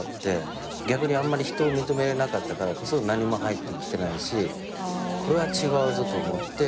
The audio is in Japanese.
逆にあんまり人を認めれなかったからこそ何も入ってきてないしこれは違うぞと思って。